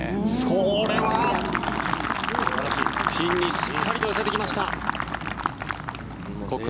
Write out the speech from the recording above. これはピンにしっかりと寄せてきました。